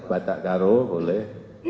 batak karo boleh